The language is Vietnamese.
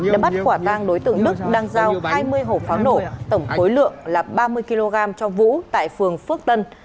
đã bắt quả tang đối tượng đức đang giao hai mươi hộp pháo nổ tổng khối lượng là ba mươi kg cho vũ tại phường phước tân